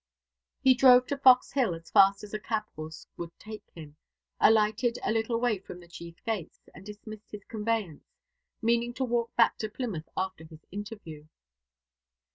He drove to Fox Hill as fast as a cab horse would take him, alighted a little way from the chief gates, and dismissed his conveyance, meaning to walk back to Plymouth after his interview.